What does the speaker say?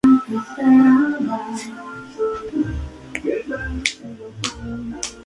Smith es el guitarrista y el líder del grupo.